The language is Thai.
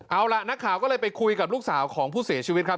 เอาล่ะนักข่าวก็เลยไปคุยกับลูกสาวของผู้เสียชีวิตครับ